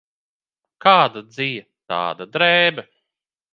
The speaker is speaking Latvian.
Kāda dzija, tāda drēbe.